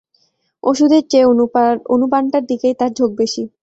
ওষুধের চেয়ে অনুপানটার দিকেই তাঁর ঝোঁক বেশি।